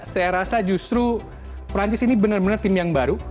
saya rasa justru perancis ini benar benar tim yang baru